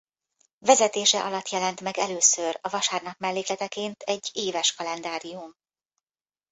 Vezetése alatt jelent meg először a Vasárnap mellékleteként egy éves Kalendárium.